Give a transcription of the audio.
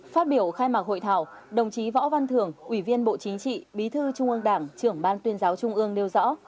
phát biểu khai mạc hội thảo đồng chí võ văn thưởng ủy viên bộ chính trị bí thư trung ương đảng trưởng ban tuyên giáo trung ương nêu rõ